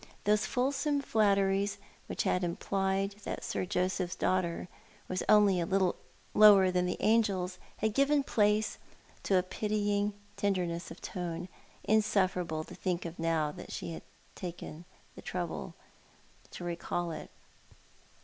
Those fulsome flatteries which had implied that Sir Joseph's daughter was only a little lower than the angels, had given place to a pitying tenderness of tone, insufferable to think of now that she took the trouble to recall it.